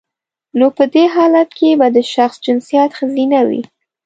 نو په دی حالت کې به د شخص جنسیت خځینه وي